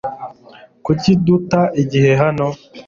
Kuki duta igihe hano?